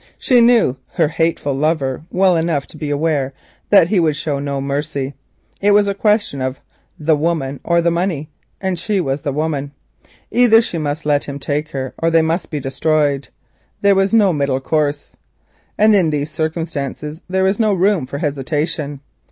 She knew her hateful lover well enough to be aware that he would show no mercy. It was a question of the woman or the money, and she was the woman. Either she must let him take her or they must be destroyed; there was no middle course. And in these circumstances there was no room for hesitation.